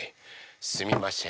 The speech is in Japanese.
すみません